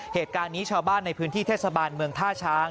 เหตุการณ์นี้ชาวบ้านในพื้นที่เทศบาลเมืองท่าช้าง